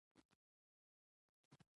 افراط او تفریط مه کوئ.